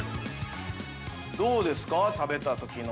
◆どうですか、食べたときの。